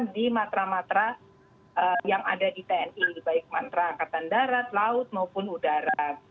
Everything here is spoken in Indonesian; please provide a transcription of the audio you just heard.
jadi matra matra yang ada di tni baik mantra angkatan darat laut maupun udara